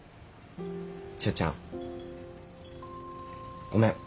千代ちゃんごめん。